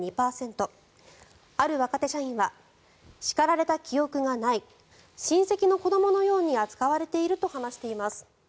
ある若手社員は叱られた記憶がない親戚の子どものように扱われていると話しています。